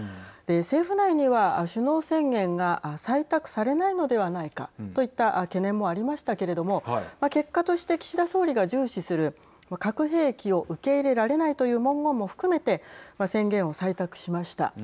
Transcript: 政府内には首脳宣言が採択されないのではないかといった懸念もありましたけれども結果として岸田総理が重視する核兵器を受け入れられないという文言も含めて宣言を採択しました。